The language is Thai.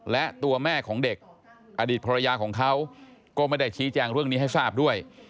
และตัวแม่ของเด็กอดีตภรรยาของเขาก็ไม่ได้ชี้แจงเรื่องนี้ให้ทราบด้วย